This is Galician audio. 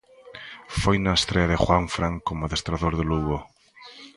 Foi na estrea de Juanfran como adestrador do Lugo.